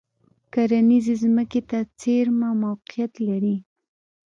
کرنیزې ځمکې ته څېرمه موقعیت لري.